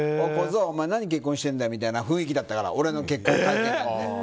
小僧、お前何結婚してんだよみたいな雰囲気だったから俺の結婚会見って。